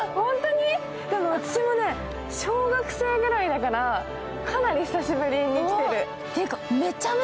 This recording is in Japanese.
でも私も小学生くらいだから、かなり久しぶりに来てる。